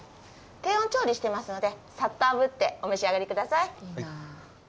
低温調理してますのでさっと炙ってお召し上がりください